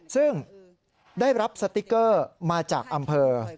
ซึ่งได้รับสติ๊กเกอร์มาจากอำเภอ